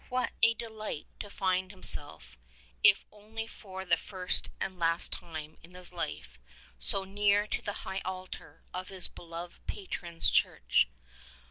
What a delight to find himself, if only for the first and last time in his life, so near to the high altar of his beloved patron's church